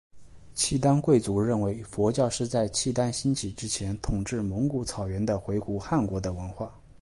契丹贵族认为佛教是在契丹兴起之前统治蒙古草原的回鹘汗国的文化。